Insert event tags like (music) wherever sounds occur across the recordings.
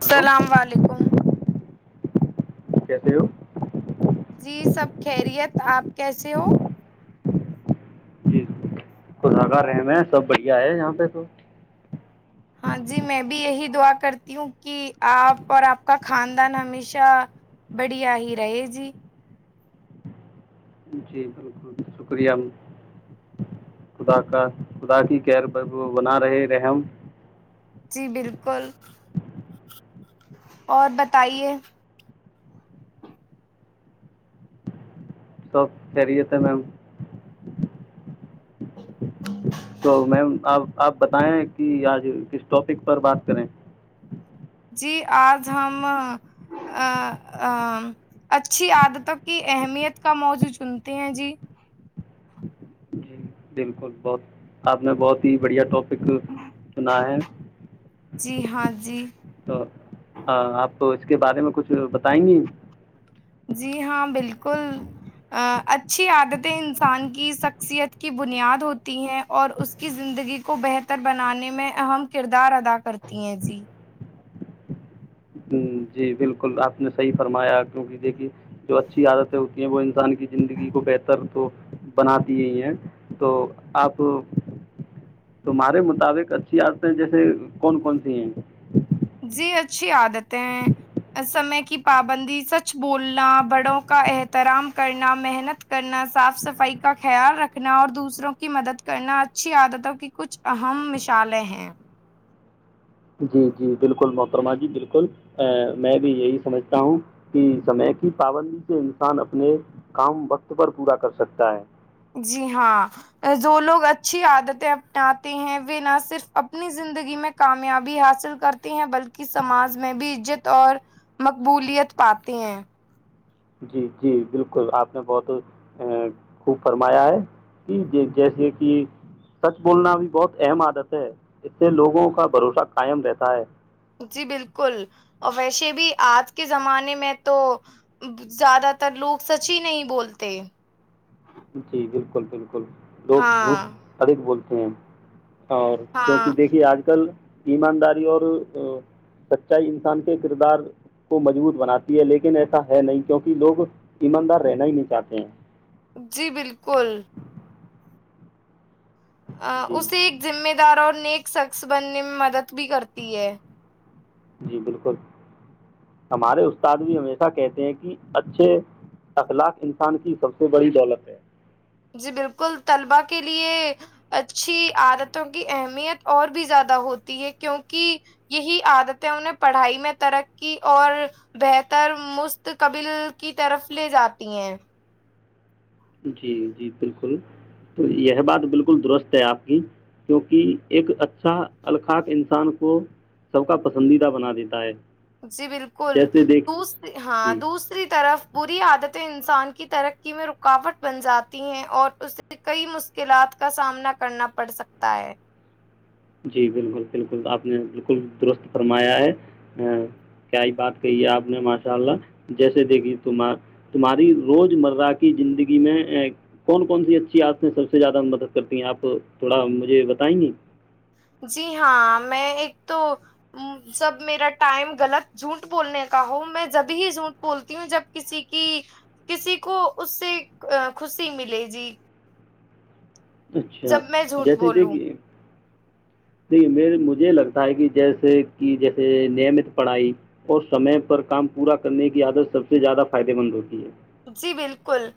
Welcome السلام علیکم۔ کیسے ہو (inaudible) (unintelligible) جی سب خیریت آپ کیسے ہو خا کر رہے میں سب بڑھیا ہے یہاں پہ تو ہاں جی میں بھی یہی دعا کرتی ہوں کہ آپ اور آپ کا خاندان ہمیشہ بڑھیا ہی رہے جی جی بالکل شکریہ خدا کا خدا کی کیر بنا رہے رحم جی بالکل اور بتائیے سب خریت ہے میم ہ (inaudible) (unintelligible) تو میم آپ آپ بتائیں کہ آج کس ٹاپک پر بات کریں جی آج ہم اچھی عادتوں کی اہمیت کا موضوع چنتے ہیں جی جی بالکل بہت آپ نے بہت ہی بڑھیا ٹاپک چنا ہے جی ہاں جی تو آپ کو اس کے بارے میں کچھ بتائیں گی جی ہاں بالکل اچھی عادتیں انسان کی شخصیت کی بنیاد ہوتی ہیں اور اس کی زندگی کو بہتر بنانے میں اہم کردار ادا کرتی ہیں جی جی بالکل آپ نے صحیح فرمایا کیونکہ دیکھیے جو اچھی عادتیں ہوتی ہیں وہ انسان کی زندگی کو بہتر تو بناتی ہیں تو آپ تمہارے مطابق اچھی عادتیں جیسے کون کون سی ہیں جی اچھی عادتیں ہیں سمے کی پابندی سچ بولنا بڑوں کا احترام کرنا محنت کرنا صاف صفائی کا خیال رکھنا اور دوسروں کی مدد کرنا اچھی عادتوں کی کچھ اہم مثالیں ہیں جی جی بالکل محترما جی بالکل ا میں بھی یہی سمجھتا ہوں کہ سمے کی پابندی سے انسان اپنے کام وقت پر پورا کر سکتا ہے جی ہاں جو لوگ اچھی عادتیں اپناتے ہیں وہ نہ صرف اپنی زندگی میں کامیابی حاصل کرتے ہیں بلکہ سماج میں بھی عزت اور مقبولیت پاتے ہیں جی جی بالکل آپ نے بہت ا خوب فرمایا ہے کہ جیسے کہ سچ بولنا بھی بہت اہم عادت ہے اس سے لوگوں کا بھروسہ قائم رہتا ہے جی بالکل اور ویسے بھی آج کے زمانے میں تو زیادہ تر لوگ سچ ہی نہیں بولتے جی بالکل بالکل لوگ جوٹ ہاں سد بولتے تین (inaudible) اور کیونکہ ہاں دیکھیے آج کل ایمانداری اور سچائی انسان کے کردار کو مضبوط بناتی ہے لیکن ایسا ہے نہیں کیونکہ لوگ ایماندار رہنا ہی نہیں چاہتے ہیں جی بالکل (unintelligible) ا جی اسی ایک جمے (unintelligible) دار اور نیک شخص بننے میں مدد بھی کرتی ہے جی بالکل ہمارے استاد بھی ہمیشہ کہتے ہیں کہ اچھے اخلاق انسان کی سب سے بڑی دولت ہے جی بالکل طلبا کے لیے اچھی عادتوں کی اہمیت اور بھی زیادہ ہوتی ہے کیونکہ یہی عادتیں انہیں پڑھائی میں ترقی اور بہتر مستقبل کی طرف لے جاتی ہیں جی جی بالکل تو یہ بات بالکل درست ہے آپ کی کیونکہ ایک اچھا الخاق انسان کو سب کا پسندیدہ بنا دیتا ہے جی بالکل جیسے دیکھ دوسری ہاں جی دوسری طرف پوری عادتیں انسان کی ترقی میں رکاوٹ بن جاتی ہیں اور اسے کئی مشکلات کا سامنا کرنا پڑ سکتا ہے جی بالکل بالکل آپ نے بالکل درست فرمایا ہے کیا ہی بات کہی ہے آپ نے ماشاء اللہ جیسے دیکھی تم تمہاری روزمرہ کی زندگی میں کون کون سی اچھی عتیں سب سے زیادہ مدد کرتی ہیں آپ تھوڑا مجھے بتائیں گے جی ہاں میں ایک تو سب میرا ٹائم غلط جھوٹ بولنے کا ہو میں جب ہی جھوٹ بولتی ہوں جب کسی کی کسی کو اس سے خوشی ملے جی اچھا جب میں جھوٹ جیسے ہی بولوں دیکھیے دیک مجھے لگتا ہے کہ جیسے کہ جیسے نیمت پڑھائی اور سمے پر کام پورا کرنے کی عادت سب سے زیادہ فائدے مند ہوتی ہے جی بالکل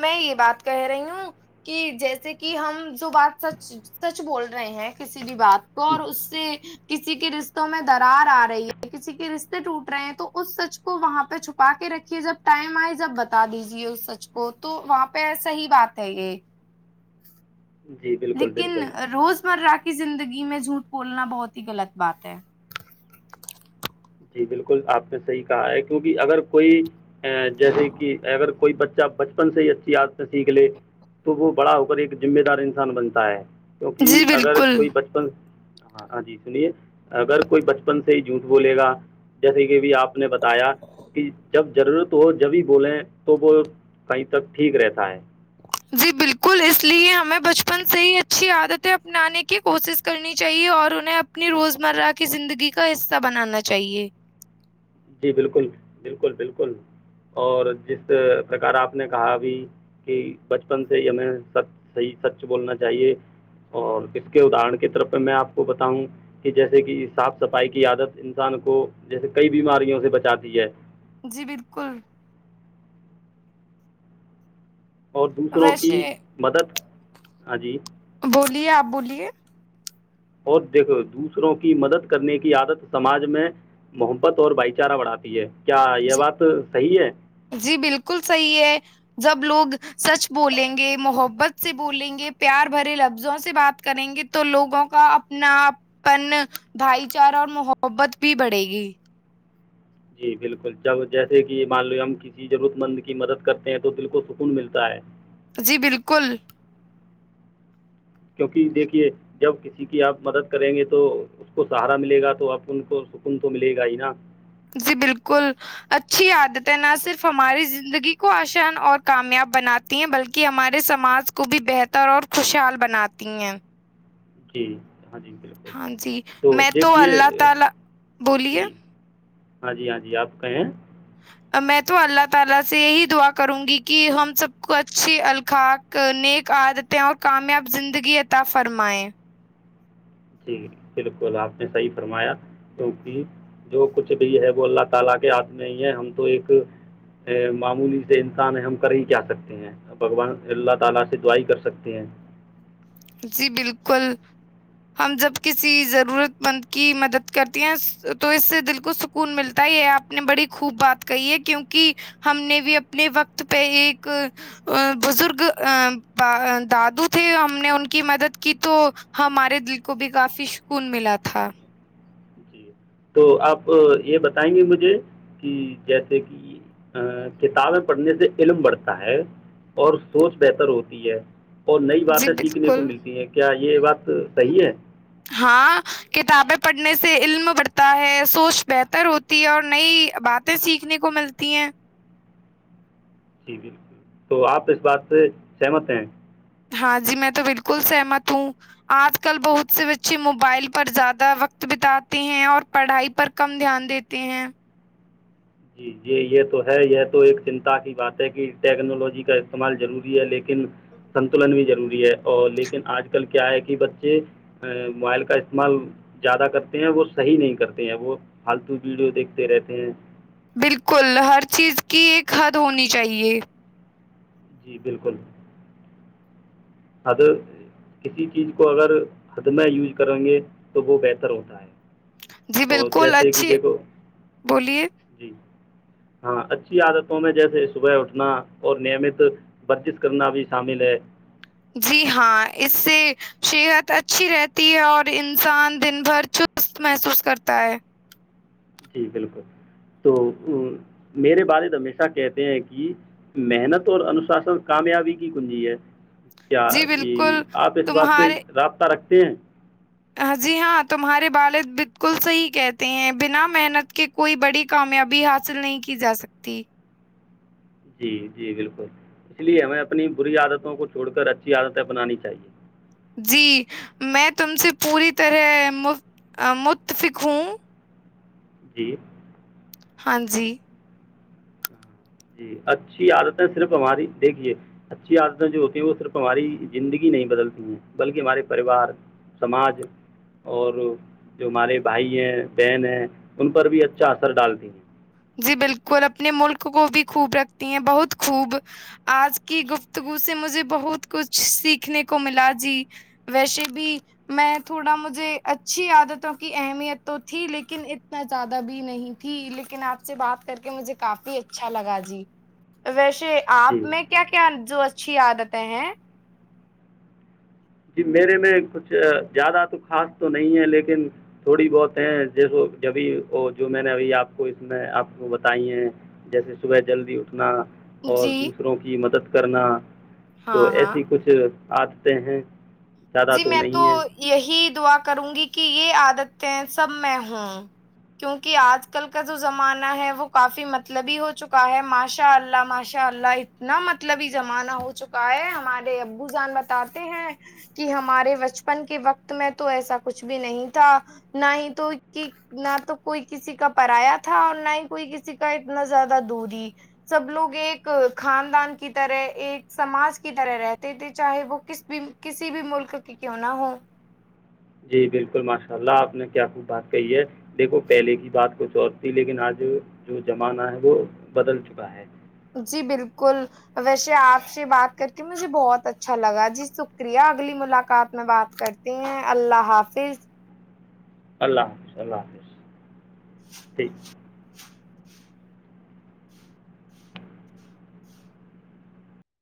میں یہ بات کہہ رہی ہوں کہ جیسے کہ ہم جو بات سچ سچ بول رہے ہیں کسی بھی بات کو اور اس سے کسی کے رشتوں میں درار آ رہی ہے کسی کے رشتے ٹوٹ رہے ہیں تو اس سچ کو وہاں پہ چھپا کے رکھیے جب ٹائم آئے جب بتا دیجے اس سچ کو تو وہاں پہ صحی بات ہے یہ جی بالکل لیکن بالکل روزمرہ (unintelligible) کی زندگی میں جھوٹ بولنا بہت ہی غلط بات ہے جی بالکل آپ نے صحیح کہا ہے کیونکہ اگر کوئی جیسے کہ اگر کوئی بچہ بچپن سے ہی اچھی عدتیں سیکھ لے تو وہ بڑا ہو کر ایک ذمہ دار انسان بنتا ہے کیونکہ جی اگر بالکل کوئی بچپن ہاں ہاں جی سنیے اگر کوئی بچپن سے ہی جھوٹ بولے گا جیسے کہب آپ نے بتایا کہ جب ضرورت تو وہ جبھی بولیں تو وہ کہیں تک ٹھیک رہتا ہے جی بالکل اس لیے ہمیں بچپن سے ہی اچھی عادتیں اپنانے کی کوشش کرنی چاہیے اور انہیں اپنی روز مرہ کی زندگی کا حصہ بنانا چاہیے جی بالکل بالکل بالکل اور جس پرکار آپ نے کہا ابھی کہ بچپن سے ہی ہمیں سچ صحیح سچ بولنا چاہیے اور اس کے ادہرن کی طرف میں آپ کو بتاؤں کہ جیسے کہ صاف صفائی کی عادت انسان کو جیسے کئی بیماریوں سے بچاتی ہے جی بالکل اور دوسروں کی ویسے مدد ہاں جی بولیے آپ بولیے اور دیکھو دوسروں کی مدد کرنے کی عادت سماج میں محبت اور بھائی چارہ بڑھاتی ہے کیا یہ جی بات صحیح ہے جی بالکل صحیح ہے جب لوگ سچ بولیں گے محبت سے بولیں گے پیار بھرے لفظوں سے بات کریں گے تو لوگوں کا اپنا اپن بھائی چارہ اور محبت بھی بڑھے گی جی بالکل جب جیسے کہ مان لو ہم کسی ضرورت مند کی مدد کرتے ہیں تو دل کو سکون ملتا ہے جی بالکل کیونکہ دیکھیے جب کسی کی آپ مدد کریں گے تو اس کو سہارا ملے گا تو آپ ان کو سکون تو ملے گا ہی نا جی بالکل اچھی عادتیں نہ صرف ہماری زندگی کو آسان اور کامیاب بناتی ہیں بلکہ ہمارے سماج کو بھی بہتر اور خوشحال بناتی ہیں جی ہاں جی بالکل ہاں جی میں تو اللہ تعالی بولیے جی ہاں جی ہاں جی آپ کہیں ہیں (inaudible) (inaudible) جی بالکل ہم جب کسی ضرورت مند کی مدد کرتی ہیں تو اس سے دل کو سکون ملتا ہے یہ آپ نے بڑی خوب بات کہی ہے کیونکہ ہم نے بھی اپنے وقت پہ ایک بزرگ دادو تھے ہم نے ان کی مدد کی تو ہمارے دل کو بھی کافی سکون ملا تھا جی تو آپ یہ بتائیں گے مجھے کہ جیسے کہ کتابیں پڑھنے سے علم بڑھتا ہے اور سوچ بہتر ہوتی ہے اور نئی جی باتیں سیکھنے کو بالکل ملتی ہیں کیا یہ یہ بات صحیح ہے ہاں کتابیں پڑھنے سے علم بڑھتا ہے سوچ بہتر ہوتی ہے اور نئی باتیں سیکھنے کو ملتی ہیں جی بالکل تو آپ اس بات سے سہمت ہیں ہاں جی میں تو بالکل سہمت ہوں آج کل بہت سے بچے موبائل پر زیادہ وقت بتاتے ہیں اور پڑھائی پر کم دھیان دیتے ہیں جی جی یہ تو ہے یہ تو ایک چنتا کی بات ہے کہ ٹیکنالوجی کا استعمال ضروری ہے لیکن سنتولن بھی ضروری اور لیکن آج کل کیا ہے کہ بچے موبائل کا استعمال زیادہ کرتے ہیں وہ صحیح نہیں کرتے ہیں وہ فالتو ویڈیو دیکھتے رہتے ہیں بالکل ہر چیز کی ایک حد ہونی چاہیے جی بالکل حد کسی چیز کو اگر حد میں یوز کریں گے تو وہ بہتر ہوتا ہے جی اور بالکل جیسے کہ اچھی دیکھو بولیے جی ہاں اچھی عادتوں میں جیسے صبح اٹھنا اور نیمت ورزش کرنا بھی شامل ہے جی ہاں اس سے صحت اچھی رہتی ہے اور انسان دن بھر چست محسوس کرتا ہے جی بالکل تو میرے والد ہمیشہ کہتے ہیں کہ محنت اور انشاسن کامیابی کی کنجی ہے جی بالکل آپ اس بات سے تمہارے رابطہ رکھتے تین (inaudible) جی ہاں تمہارے والد بالکل صحیح کہتے ہیں بنا محنت کے کوئی بڑی کامیابی حاصل نہیں کی جا سکتی جی جی بالکل اس لیے ہمیں اپنی بری عادتوں کو چھوڑ کر اچھی عادتیں اپنانی چاہیے جی میں تم سے پوری طرح متفق ہوں جی ہاں جی جی اچھی عادتیں صرف ہماری دیکھیے اچھی عادتیں جو ہوتی ہیں وہ صرف ہماری زندگی نہیں بدلتی ہیں بلکہ ہمارے پریوار سماج اور جو ہمارے بھائی ہیں بہن ہیں ان پر بھی اچھا اثر ڈالتی ہیں جی بالکل اپنے ملک کو بھی خوب رکھتی ہیں بہت خوب آج کی گفتگو سے مجھے بہت کچھ سیکھنے کو ملا جی ویسے بھی میں تھوڑا مجھے اچھی عادتوں کی اہمیت تو تھی لیکن اتنا زیادہ بھی نہیں تھی لیکن آ سے بات کر کے مجھے کافی اچھا لگا جی ویش جی آپ میں کیا کیا جو اچھی عادتیں ہیں جی میرے میں کچھ زیادہ تو خاص تو نہیں ہے لیکن تھوڑی بہت ہیں جیسو جبھی وہ جو میں نے ابھی آپ کو اس میں آپ کو بتائی ہیں جیسے صبح جلدی اٹھنا اور جی دوسروں کی مدد کرنا تو ہاں ہاں ایسی کچھ آتے ہیں زیادہ جی میں تو نہیں ہیں یہی دعا کروں گی کہ یہ آج ہیں سب میں ہوں کیونکہ آج کل کا جو زمانہ ہے وہ کافی مطلبی ہو چکا ہے ماشاء اللہ ماشاء اللہ اتنا مطلبی زمانہ ہو چکا ہے ہمارے ابو جان بتاتے ہیں کہ ہمارے بچپن کے وقت میں تو ایسا کچھ بھی نہیں تھا نہ ہی تو نہ تو کوئی کسی کا پرایہ تھا اور نہ ہی کوئی کسی کا اتنا زیادہ دوری سب لوگ ایک خاندان کی طرح ایک سماج کی طرح رہتے تھے چاہے وہ کس بھی ک کسی بھی ملک کی کیوں نہ ہو جی بالکل ماشاء اللہ آپ نے کیا خوب بات کہی ہے دیکھو پہلے کی بات کچھ اور تھی لیکن آج جو زمانہ ہے وہ بدل چکا ہے جی بالکل ویسے آپ سے بات کر کے مجھے بہت اچھا لگا جی شکریہ اگلی ملاقات میں بات کرتے ہیں اللہ حافظ اللہ حافظ اللہ حافظ ٹھیک